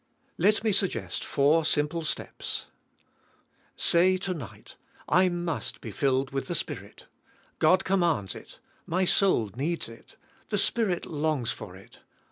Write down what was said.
Let me suggest four simple steps. Say tonig ht! I must be filled with the Spirit. God commands it. My soul needs it. The Spirit long's for it.